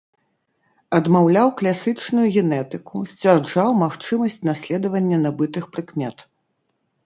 Адмаўляў класічную генетыку, сцвярджаў магчымасць наследавання набытых прыкмет.